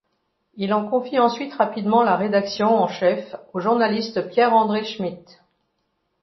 Il en confie ensuite rapidement la rédaction en chef au journaliste Pierre-André Schmitt.